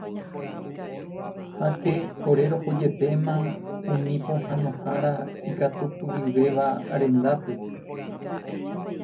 Háke ore rohojepéma umi pohãnohára ikatupyryvéva rendápe.